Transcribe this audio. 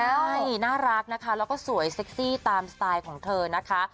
ใช่น่ารักนะคะแล้วก็สวยเซ็กซี่ตามสไตล์ของเธอนะคะ